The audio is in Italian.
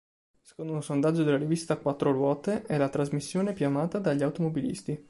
Secondo un sondaggio della rivista Quattroruote è la "trasmissione più amata dagli automobilisti".